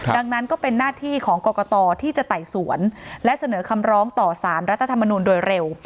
ดังนั้นก็เป็นหน้าที่ของกรกตที่จะไต่สวนและเสนอคำร้องต่อสารรัฐธรรมนูลโดยเร็ว